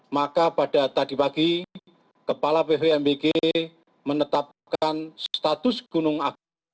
maka pada tadi pagi kepala bvmbg menetapkan status gunung agung